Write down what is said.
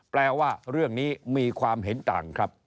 แปลว่าเรื่องนี้มีความเห็นต่างครับ